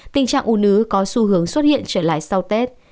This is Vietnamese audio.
tình trạng u nứ có xu hướng xuất hiện trở lại sau tết